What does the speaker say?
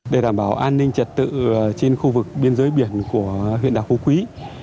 để đảm bảo an ninh trật tự trên khu vực biên giới biển của huyện đảo phú quý